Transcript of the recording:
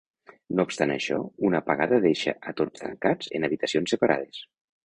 No obstant això, una apagada deixa a tots tancats en habitacions separades.